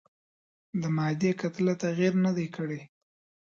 د مادې کتله تغیر نه دی کړی.